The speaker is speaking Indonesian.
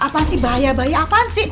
putri udah bahaya